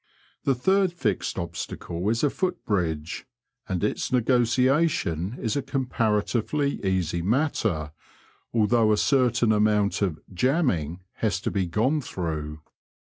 The third fixed obstacle is a foot bridge, and its negociation is a comparatively easy matter, although a certain amount of '^ jamming" has to be gone through.